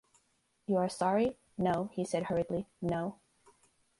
You are sorry?” “No,” he said hurriedly, “no!